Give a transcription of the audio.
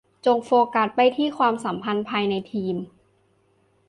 จงโฟกัสไปที่ความสัมพันธ์ภายในทีม